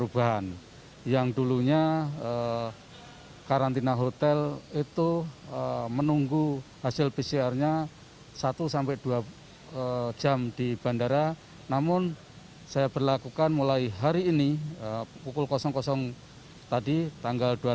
dan yang terjadi di bandara internasional soekarno hatta